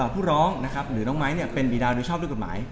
ผู้ร้องนะครับหรือน้องไม้เป็นบีดาโดยชอบด้วยกฎหมาย